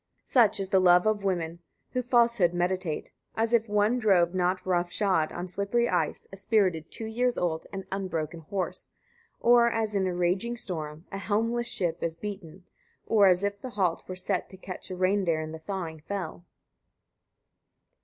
90. Such is the love of women, who falsehood meditate, as if one drove not rough shod, on slippery ice, a spirited two years old and unbroken horse; or as in a raging storm a helmless ship is beaten; or as if the halt were set to catch a reindeer in the thawing fell.